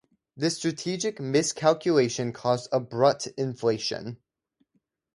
This strategic miscalculation caused abrupt inflation.